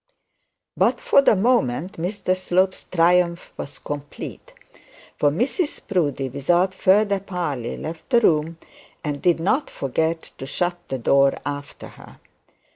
But for the moment Mr Slope's triumph was complete; for Mrs Proudie without further parley left the room, and did not forget to shut the door after her.